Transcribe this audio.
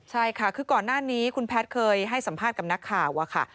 ใช่ค่ะคือก่อนหน้านี้คุณแพทย์เคยให้สัมภาษณ์กับนักข่าวอะค่ะ